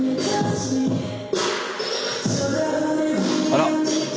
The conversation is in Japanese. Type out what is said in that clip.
あら。